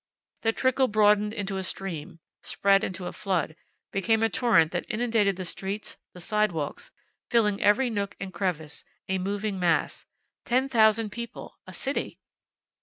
The trickle broadened into a stream, spread into a flood, became a torrent that inundated the streets, the sidewalks, filling every nook and crevice, a moving mass. Ten thousand people! A city!